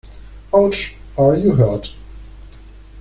Ouch! Are you hurt?